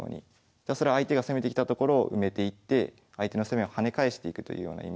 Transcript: ひたすら相手が攻めてきたところを埋めていって相手の攻めを跳ね返していくというようなイメージ。